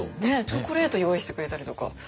チョコレート用意してくれたりとか。